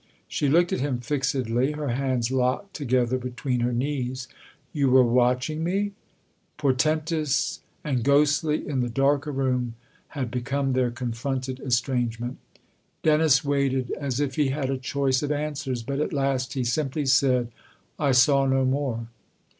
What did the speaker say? She looked at him fixedly, her hands locked together between her knees. "You were watch ing me ?" Portentous and ghostly, in the darker room, had become their confronted estrange ment. Dennis waited as if he had a choice of answers ; but at last he simply said :" I saw no more."